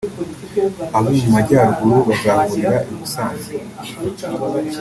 abo mu majyaruguru bazahurira i Musanze